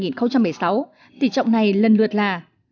tỷ trọng này lần lượt là